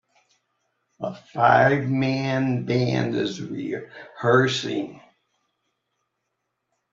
A five man band is rehearsing.